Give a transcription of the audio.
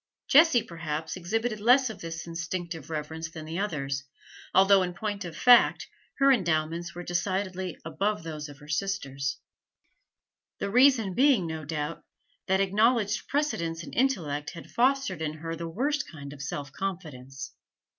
Jessie, perhaps, exhibited less of this instinctive reverence than the others, although, in point of fact, her endowments were decidedly above those of her sisters; the reason being, no doubt, that acknowledged precedence in intellect had fostered in her the worst kind of self confidence.